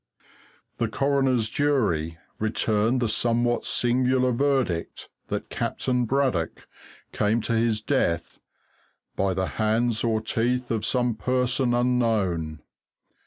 "The coroner's jury returned the somewhat singular verdict that Captain Braddock came to his death 'by the hands or teeth of some person unknown.'